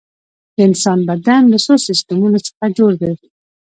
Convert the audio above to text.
د انسان بدن له څو سیستمونو څخه جوړ دی